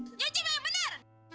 eh nyuci minggu yang bener